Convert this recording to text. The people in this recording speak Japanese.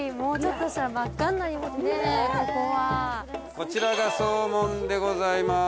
こちらが総門でございます。